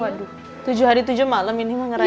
waduh tujuh hari tujuh malem ini mau ngerayani